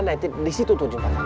naitin disitu tuju pasang